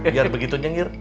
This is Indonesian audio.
biar begitu nyengir